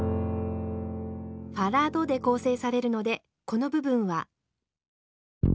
ファラドで構成されるのでこの部分は。